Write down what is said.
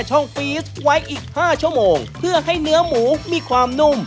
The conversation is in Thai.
ช่องฟีสไว้อีกห้าชั่วโมงเพื่อให้เนื้อหมูมีความนุ่ม